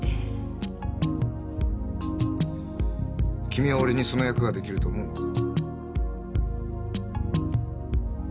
君は俺にその役ができると思うか？